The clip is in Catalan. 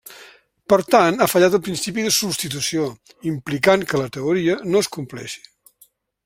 Per tant ha fallat el principi de substitució, implicant que la teoria no es compleixi.